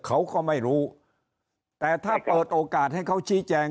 เขาก็ไม่รู้แต่ถ้าเปิดโอกาสให้เขาชี้แจง